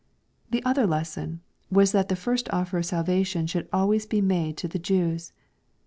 — The other lesson was that the first offer of salvation should always be made to the Jews.